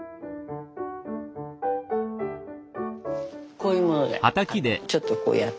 こういうものでちょっとこうやったり。